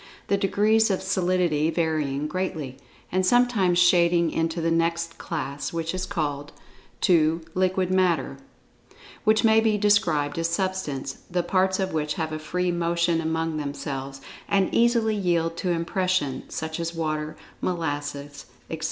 the degrees of solidity varying greatly, and sometimes shading into the next class, which is called: (2) Liquid Matter, which may be described as Substance, the parts of which have a free motion among themselves, and easily yield to impression, such as water, molasses, etc.